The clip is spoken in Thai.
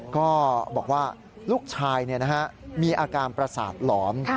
ก็บอกว่าลูกชายมีอาการประสาทหลอม